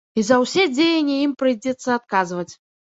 І за ўсе дзеянні ім прыйдзецца адказваць.